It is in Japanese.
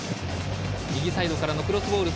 右サイドからのクロスボール